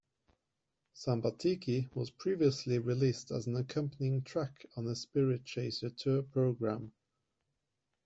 "Sambatiki" was previously released as an accompanying track on the "Spiritchaser" tour programme.